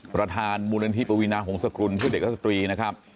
ประธานมูลนันทีปวีนาหงษกุลชื่อเด็กรสตรีนะครับ